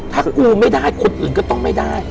ถ้ากูไม่ได้คนอื่นก็ต้องไม่ได้